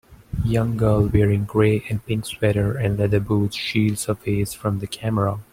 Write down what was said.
Young girl wearing gray and pink sweater and leather boots shields her face from the camera.